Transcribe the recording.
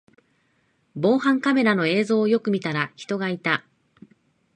防犯カメラの映像をよく見たら人がいた